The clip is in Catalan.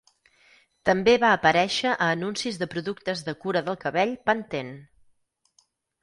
També va aparèixer a anuncis de productes de cura del cabell Pantene.